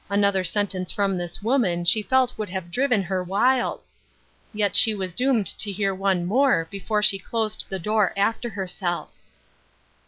Another sentence from this woman she felt would have driven her wild. Yet she was doomed to hear one more before she closed the door after herself.